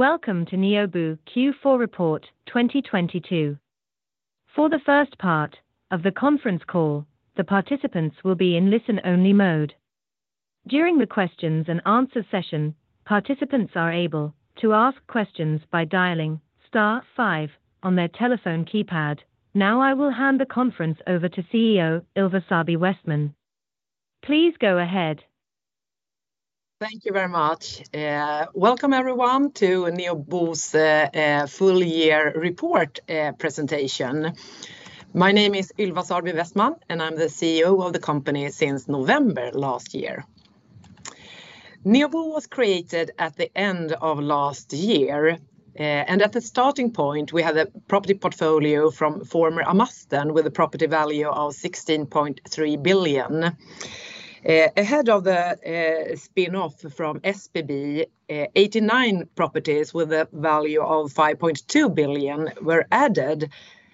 Welcome to Neobo Q4 report 2022. For the first part of the conference call, the participants will be in listen-only mode. During the questions and answer session, participants are able to ask questions by dialing star 5 on their telephone keypad. Now I will hand the conference over to CEO Ylva Sarby Westman. Please go ahead. Thank you very much. Welcome everyone to Neobo's full year report presentation. My name is Ylva Sarby Westman, and I'm the CEO of the company since November last year. Neobo was created at the end of last year. At the starting point, we had a property portfolio from former Amasten with a property value of 16.3 billion. Ahead of the spin-off from SBB, 89 properties with a value of 5.2 billion were added,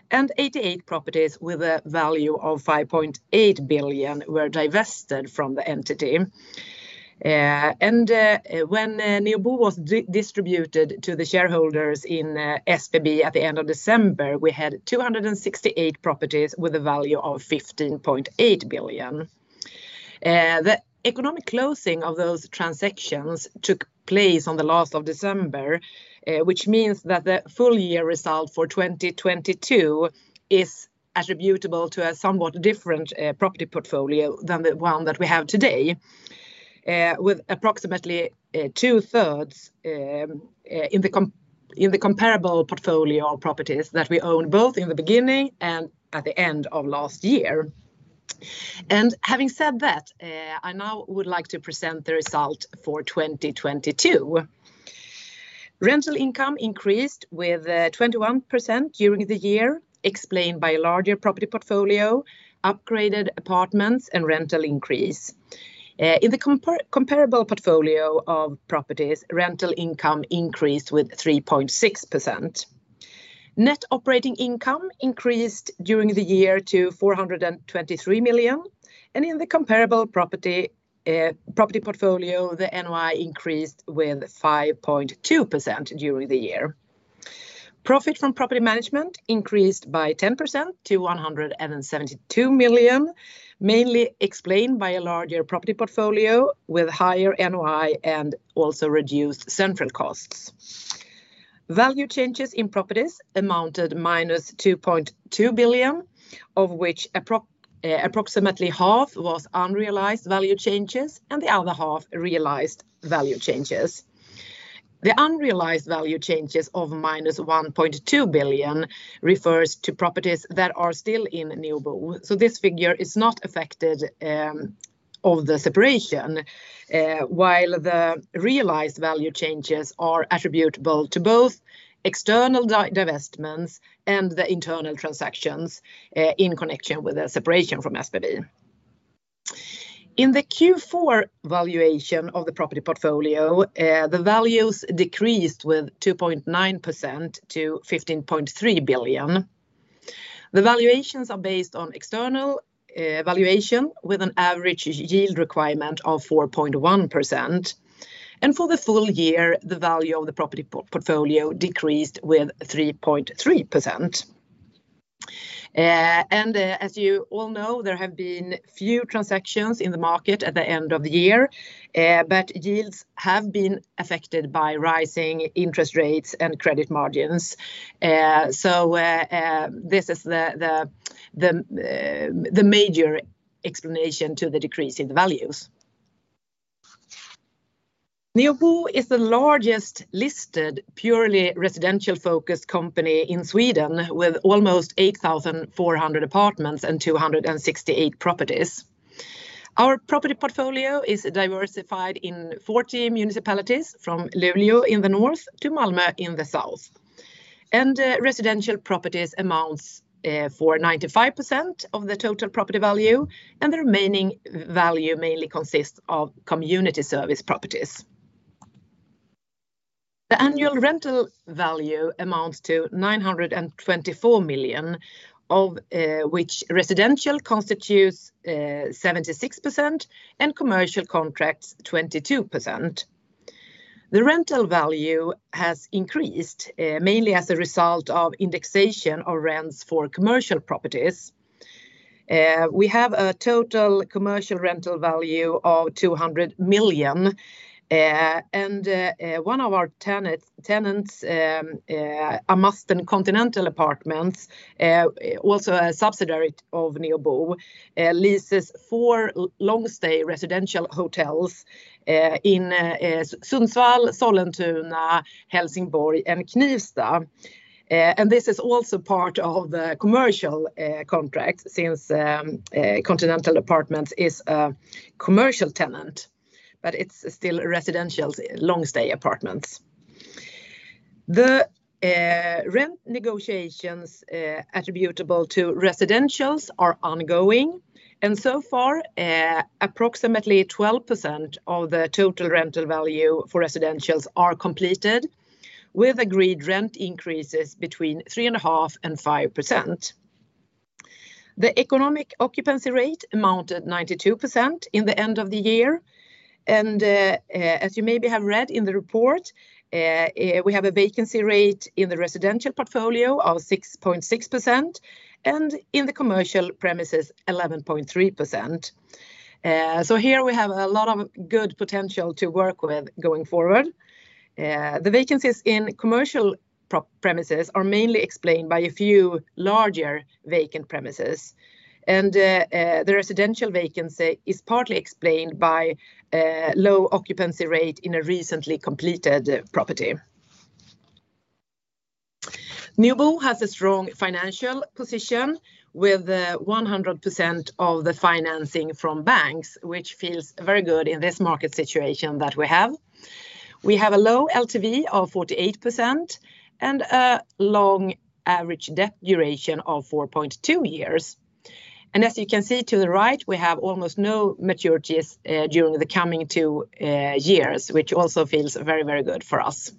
and 88 properties with a value of 5.8 billion were divested from the entity. When Neobo was distributed to the shareholders in SBB at the end of December, we had 268 properties with a value of 15.8 billion. closing of those transactions took place on the last of December, which means that the full year result for 2022 is attributable to a somewhat different property portfolio than the one that we have today, with approximately two-thirds in the comparable portfolio of properties that we owned both in the beginning and at the end of last year. Having said that, I now would like to present the result for 2022. Rental income increased with 21% during the year, explained by a larger property portfolio, upgraded apartments, and rental increase. In the comparable portfolio of properties, rental income increased with 3.6%. Net operating income increased during the year to 423 million, and in the comparable property portfolio, the NOI increased with 5.2% during the year. Profit from property management increased by 10% to 172 million, mainly explained by a larger property portfolio with higher NOI and also reduced central costs. Value changes in properties amounted minus 2.2 billion, of which approximately half was unrealized value changes and the other half realized value changes. The unrealized value changes of minus 1.2 billion refers to properties that are still in Neobo. This figure is not affected of the separation, while the realized value changes are attributable to both external divestments and the internal transactions in connection with the separation from SBB. In the Q4 valuation of the property portfolio, the values decreased with 2.9% to 15.3 billion. The valuations are based on external valuation with an average yield requirement of 4.1%. For the full year, the value of the property portfolio decreased with 3.3%. As you all know, there have been few transactions in the market at the end of the year, but yields have been affected by rising interest rates and credit margins. This is the major explanation to the decrease in the values. Neobo is the largest listed purely residential-focused company in Sweden with almost 8,400 apartments and 268 properties. Our property portfolio is diversified in 40 municipalities from Luleå in the north to Malmö in the south. Residential properties amounts for 95% of the total property value, and the remaining value mainly consists of community service properties. The annual rental value amounts to 924 million, of which residential constitutes 76% and commercial contracts 22%. The rental value has increased mainly as a result of indexation of rents for commercial properties. We have a total commercial rental value of 200 million, and one of our tenants, Amasten Continental Apartments, also a subsidiary of Neobo, leases four long-stay residential hotels in Sundsvall, Sollentuna, Helsingborg, and Knivsta. This is also part of the commercial contracts since Continental Apartments is a commercial tenant, but it's still residential long-stay apartments. The rent negotiations attributable to residentials are ongoing, and so far, approximately 12% of the total rental value for residentials are completed with agreed rent increases between 3.5% and 5%. The economic occupancy rate amounted 92% in the end of the year. As you maybe have read in the report, we have a vacancy rate in the residential portfolio of 6.6%, and in the commercial premises, 11.3%. Here we have a lot of good potential to work with going forward. The vacancies in commercial premises are mainly explained by a few larger vacant premises. The residential vacancy is partly explained by low occupancy rate in a recently completed property. Neobo has a strong financial position with 100% of the financing from banks, which feels very good in this market situation that we have. We have a low LTV of 48% and a long average debt duration of 4.2 years. As you can see to the right, we have almost no maturities during the coming 2 years, which also feels very, very good for us.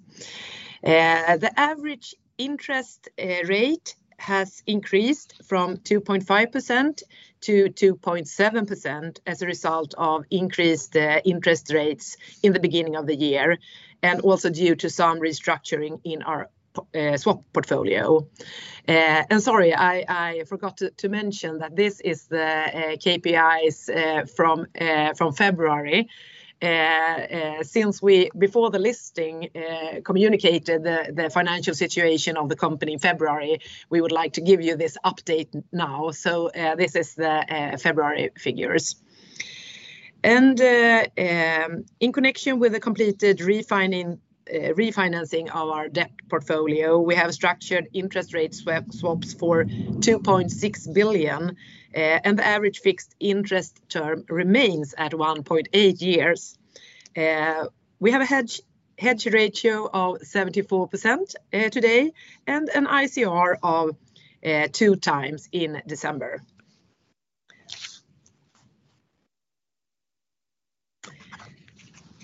The average interest rate has increased from 2.5% to 2.7% as a result of increased interest rates in the beginning of the year and also due to some restructuring in our swap portfolio. Sorry, I forgot to mention that this is the KPIs from February. Since we, before the listing, communicated the financial situation of the company in February, we would like to give you this update now. This is the February figures. In connection with the completed refinancing of our debt portfolio, we have structured interest rate swaps for 2.6 billion, and the average fixed interest term remains at 1.8 years. We have a hedge ratio of 74% today and an ICR of two times in December.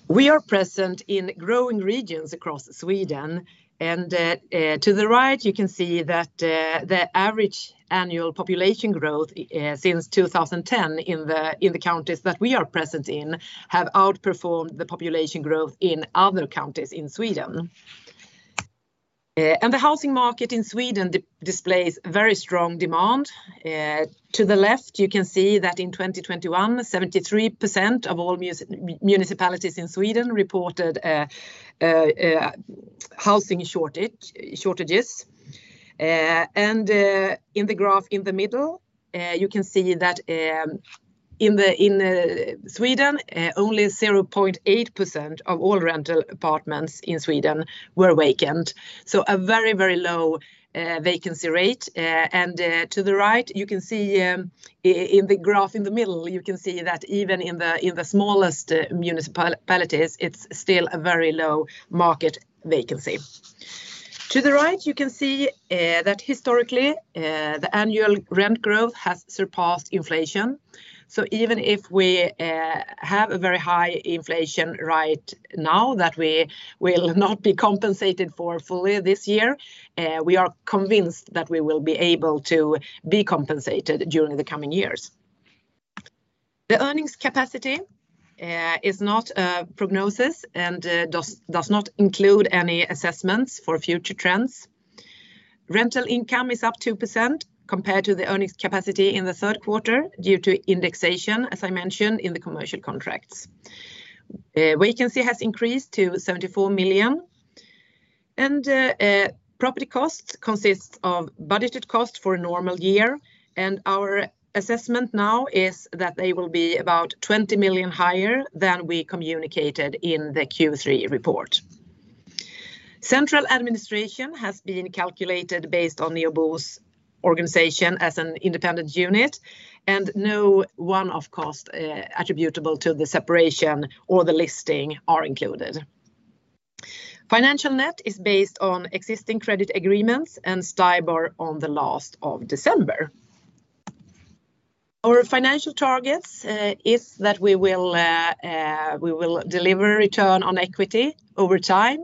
We are present in growing regions across Sweden. To the right, you can see that the average annual population growth since 2010 in the counties that we are present in have outperformed the population growth in other counties in Sweden. The housing market in Sweden displays very strong demand. To the left, you can see that in 2021, 73% of all municipalities in Sweden reported housing shortages. In the graph in the middle, you can see that in Sweden, only 0.8% of all rental apartments in Sweden were vacant. A very, very low vacancy rate. To the right, you can see in the graph in the middle, you can see that even in the smallest municipalities, it's still a very low market vacancy. To the right, you can see that historically, the annual rent growth has surpassed inflation. Even if we have a very high inflation right now that we will not be compensated for fully this year, we are convinced that we will be able to be compensated during the coming years. The earnings capacity is not a prognosis and does not include any assessments for future trends. Rental income is up 2% compared to the earnings capacity in the third quarter due to indexation, as I mentioned, in the commercial contracts. Vacancy has increased to 74 million. Property costs consists of budgeted cost for a normal year, and our assessment now is that they will be about 20 million higher than we communicated in the Q3 report. Central administration has been calculated based on Neobo's organization as an independent unit, and no one-off cost attributable to the separation or the listing are included. Financial net is based on existing credit agreements and STIBOR on the last of December. Our financial targets, is that we will deliver return on equity over time,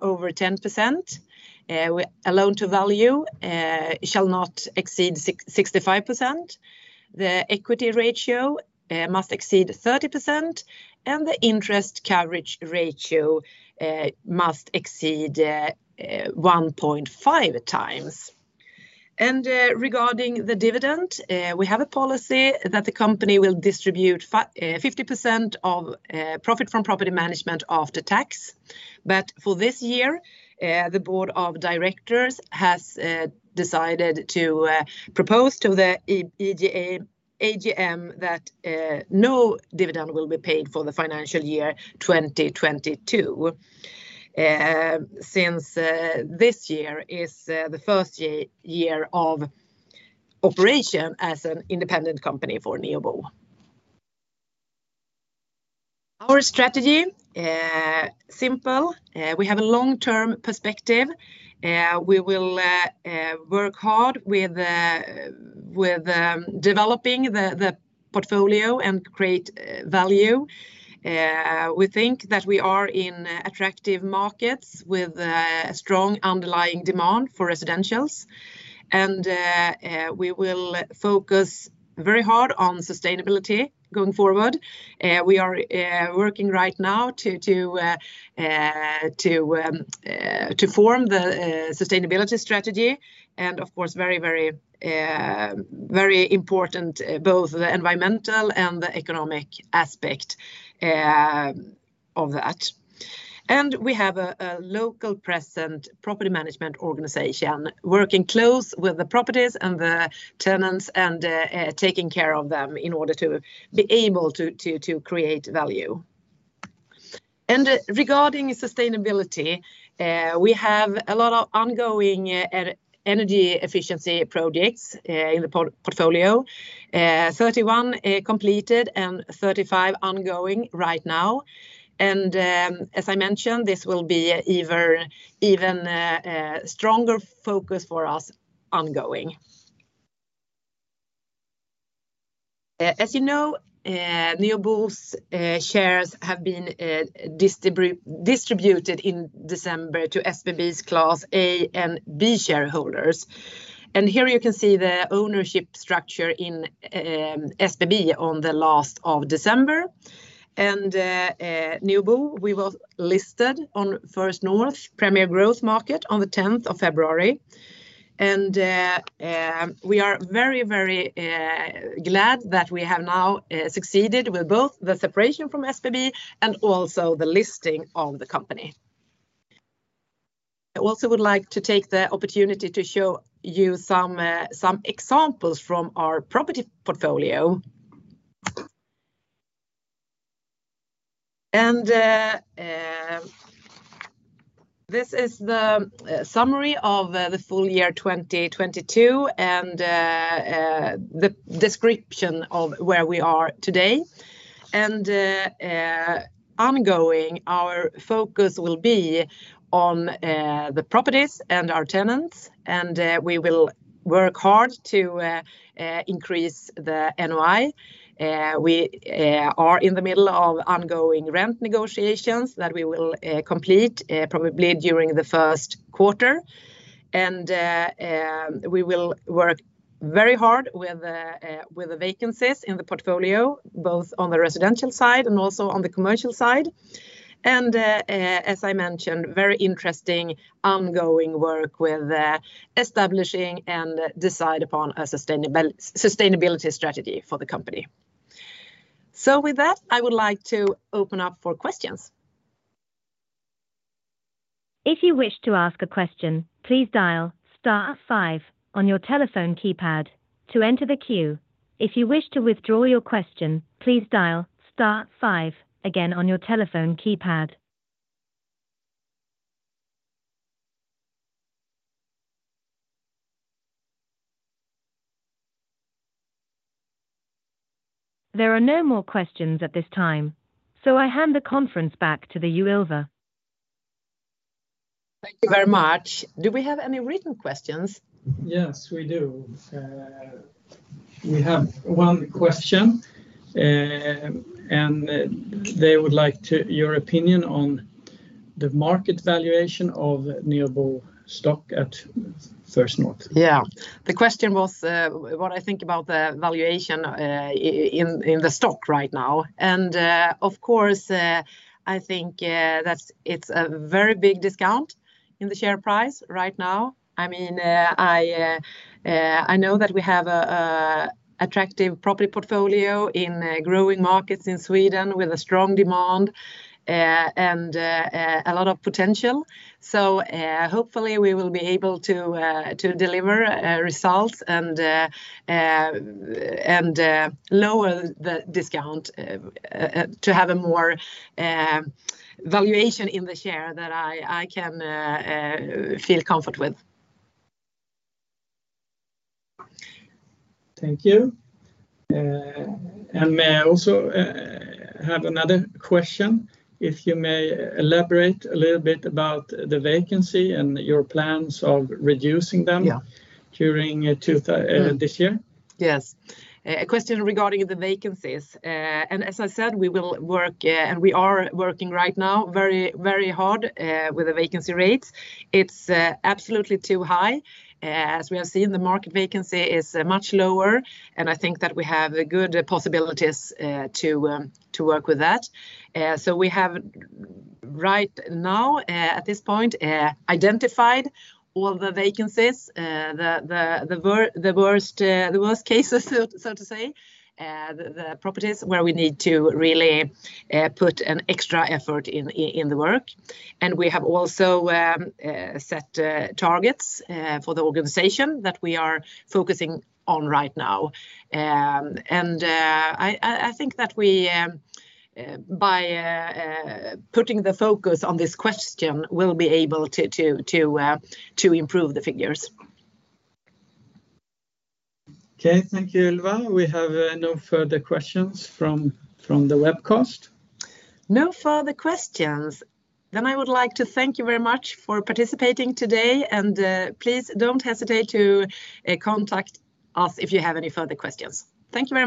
over 10%. A Loan to Value shall not exceed 65%. The equity ratio must exceed 30%, and the Interest Coverage Ratio must exceed 1.5 times. Regarding the dividend, we have a policy that the company will distribute 50% of profit from property management after tax. For this year, the board of directors has decided to propose to the AGM that no dividend will be paid for the financial year 2022, since this year is the first year of operation as an independent company for Neobo. Our strategy, simple. We have a long-term perspective. We will work hard with developing the portfolio and create value. We think that we are in attractive markets with a strong underlying demand for residentials. We will focus very hard on sustainability going forward. We are working right now to form the sustainability strategy, and of course, very important, both the environmental and the economic aspect of that. We have a local present property management organization working close with the properties and the tenants taking care of them in order to be able to create value. Regarding sustainability, we have a lot of ongoing energy efficiency projects in the portfolio. 31 completed and 35 ongoing right now. As I mentioned, this will be ever even stronger focus for us ongoing. As you know, Neobo's shares have been distributed in December to SBB's Class A and B shareholders. Here you can see the ownership structure in SBB on the last of December. Neobo, we were listed on First North Premier Growth Market on the 10th of February. We are very, very glad that we have now succeeded with both the separation from SBB and also the listing of the company. I also would like to take the opportunity to show you some examples from our property portfolio. This is the summary of the full year 2022, and the description of where we are today. Ongoing, our focus will be on the properties and our tenants, and we will work hard to increase the NOI. We are in the middle of ongoing rent negotiations that we will complete probably during the first quarter. We will work very hard with the vacancies in the portfolio, both on the residential side and also on the commercial side. As I mentioned, very interesting ongoing work with establishing and decide upon a sustainability strategy for the company. With that, I would like to open up for questions. If you wish to ask a question, please dial star 5 on your telephone keypad to enter the queue. If you wish to withdraw your question, please dial star 5 again on your telephone keypad. There are no more questions at this time. I hand the conference back to the you, Ylva. Thank you very much. Do we have any written questions? Yes, we do. We have one question. They would like to your opinion on the market valuation of Neobo stock at First North. Yeah. The question was, what I think about the valuation in the stock right now. Of course, I think it's a very big discount in the share price right now. I mean, I know that we have an attractive property portfolio in growing markets in Sweden with a strong demand and a lot of potential. Hopefully we will be able to deliver results and lower the discount to have a more valuation in the share that I can feel comfort with. Thank you. May I also have another question? If you may elaborate a little bit about the vacancy and your plans of reducing them? Yeah... during this year? Yes. A question regarding the vacancies. As I said, we will work and we are working right now very, very hard with the vacancy rates. It's absolutely too high. As we have seen, the market vacancy is much lower, and I think that we have the good possibilities to work with that. We have right now, at this point, identified all the vacancies, the worst, the worst cases, so to say, the properties where we need to really put an extra effort in the work. We have also set targets for the organization that we are focusing on right now. I think that we, by putting the focus on this question, we'll be able to improve the figures. Okay. Thank you, Ylva. We have no further questions from the webcast. No further questions? I would like to thank you very much for participating today. Please don't hesitate to contact us if you have any further questions. Thank you very much.